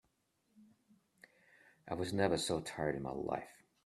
I was never so tired in my life.